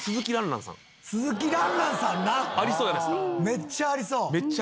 めっちゃありそう！